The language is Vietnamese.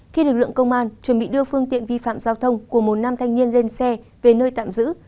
khi lực lượng công an chuẩn bị đưa phương tiện vi phạm giao thông của một nam thanh niên lên xe về nơi tạm giữ